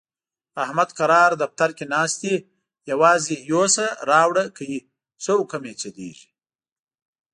احمد کرار دفتر کې ناست وي، یووازې یوسه راوړه کوي، ښه حکم یې چلېږي.